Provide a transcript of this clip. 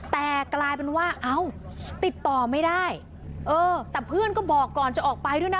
แต่กลายเป็นว่าเอ้าติดต่อไม่ได้เออแต่เพื่อนก็บอกก่อนจะออกไปด้วยนะ